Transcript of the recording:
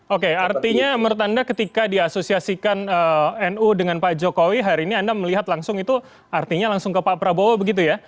oke artinya menurut anda ketika diasosiasikan nu dengan pak jokowi hari ini anda melihat langsung itu artinya langsung ke pak prabowo begitu ya